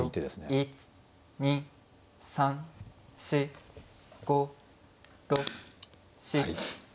１２３４５６７。